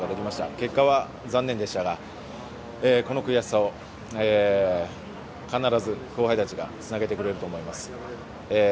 結果は残念でしたがこの悔しさを必ず後輩たちがつなげてくれると思います。